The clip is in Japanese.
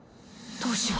どうしよう。